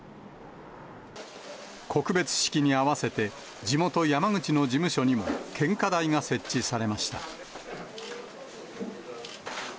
告別式に合わせて、地元、山口の事務所にも献花台が設置されました。